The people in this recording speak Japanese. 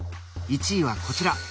１位はこちら！